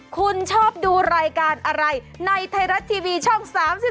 คุณชอบดูรายการอะไรในไทยรัฐทีวีช่อง๓๒